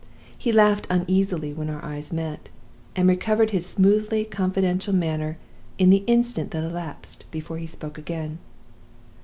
He laughed uneasily when our eyes met, and recovered his smoothly confidential manner in the instant that elapsed before he spoke again.